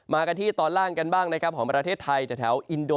กันที่ตอนล่างกันบ้างนะครับของประเทศไทยแต่แถวอินโด